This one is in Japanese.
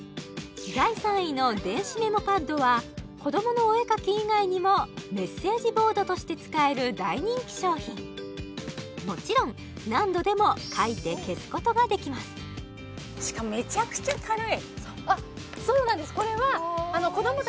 第３位の電子メモパッドは子どものお絵描き以外にもメッセージボードとして使える大人気商品もちろん何度でも描いて消すことができますそうなんです